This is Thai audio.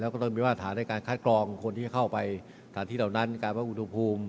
การคัดกรองคนที่เข้าไปสถานที่เหล่านั้นการบังคุณภูมิ